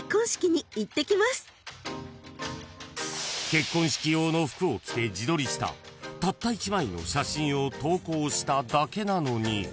［結婚式用の服を着て自撮りしたたった一枚の写真を投稿しただけなのに］